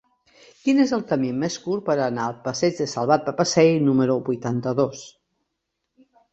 Quin és el camí més curt per anar al passeig de Salvat Papasseit número vuitanta-dos?